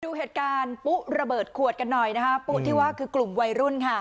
ดูเหตุการณ์ปุ๊ระเบิดขวดกันหน่อยนะคะปุ๊ที่ว่าคือกลุ่มวัยรุ่นค่ะ